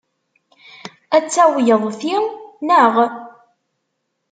Ad tawyeḍ ti, naɣ?